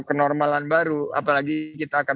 kenormalan baru apalagi kita akan